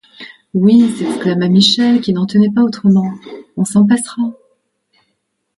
Oui, s’exclama Michel, qui n’y tenait pas autrement, on s’en passera.